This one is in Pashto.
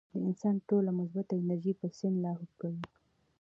د انسان ټوله مثبت انرجي پۀ سين لاهو کوي -